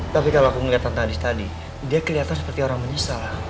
tapi kalau aku ngeliat tante andis tadi dia keliatan seperti orang menyesal